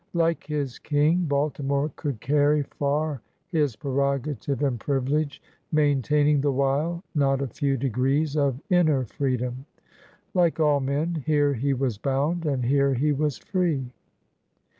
like his King, Baltimore could carry far his prerogative and privi lege, maintaining the while not a few degrees of inner freedom. Like all men, here he was bound, and here he was free.